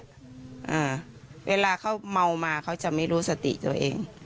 เวลาเขาเมามาเขาจะไม่รู้สติตัวเอง